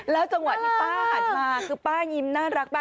แล้วจังหวัดที่ป้าหันมาคือป้ายิ่มน่ารักป้า